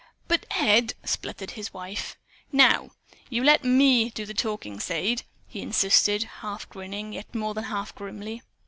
"But Ed " sputtered his wife. "Now, you let ME do the talking, Sade!" he insisted, half grinning, yet more than half grimly.